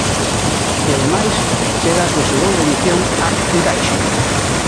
E ademais, chega á súa segunda edición ArtEncaixe.